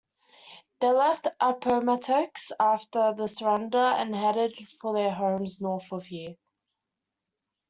They left Appomattox after the surrender and headed for their homes north of here.